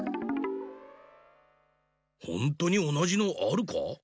ほんとにおなじのあるか？